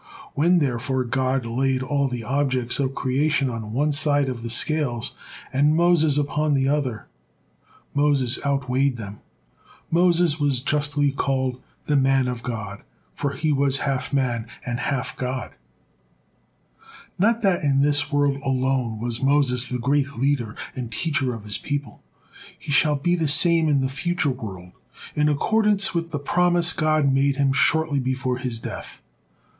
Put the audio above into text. When, therefore, God laid all the objects of creation on one side of the scales, and Moses upon the other, Moses outweighed them. Moses was justly called, "the man of God," for he was half man and half God. But not in this world alone was Moses the great leader and teacher of his people, he shall be the same in the future world, in accordance with the promise God made him shortly before his death.